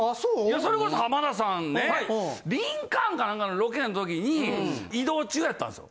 ・それこそ浜田さんね『リンカーン』か何かのロケの時に移動中やったんですよ。